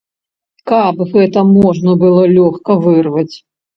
Каб гэта можна было лёгка вырваць.